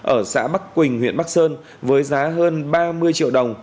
ở xã bắc quỳnh huyện bắc sơn với giá hơn ba mươi triệu đồng